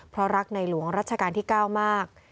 เพราะรักในหลวงรัชกาลที่๙มาก